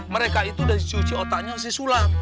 mereka itu udah dicuci otaknya si sulam